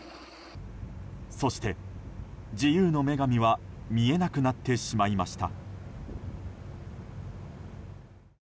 そして、自由の女神は見えなくなってしまいました。